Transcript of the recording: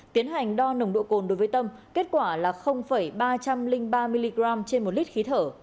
tiến hành đo nồng độ cồn đối với tâm kết quả là ba trăm linh ba mg trên một lít khí thở